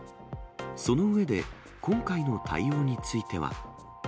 その上で、今回の対応については。